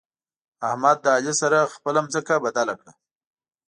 احمد له علي سره خپله ځمکه بدله کړه.